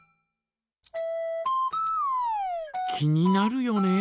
気になるよね。